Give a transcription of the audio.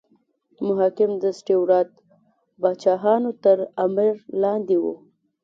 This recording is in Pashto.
محاکم د سټیورات پاچاهانو تر امر لاندې وو.